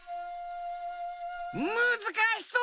むずかしそう！